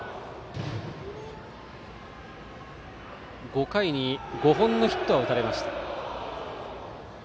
５回に５本のヒットを打たれました。